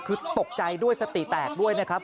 คือตกใจด้วยสติแตกด้วยนะครับ